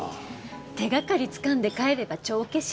手掛かりつかんで帰れば帳消し。